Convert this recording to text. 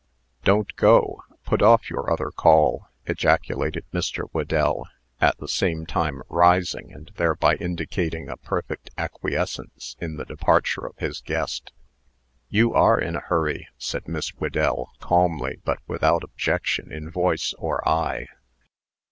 "Don't go. Put off your other call," ejaculated Mr. "Whedell, at the same time rising, and thereby indicating a perfect acquiescence in the departure of his guest. "You are in a hurry," said Miss Whedell, calmly, but without objection in voice or eye.